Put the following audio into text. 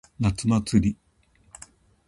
夏祭り。